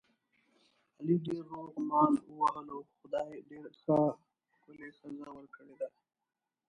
علي ډېر روغ مال ووهلو، خدای ډېره ښه ښکلې ښځه ور کړې ده.